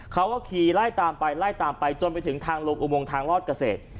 เขาก็ขี่ไล่ตามไปไล่ตามไปจนไปถึงทางลงอุโมงทางรอดเกษตร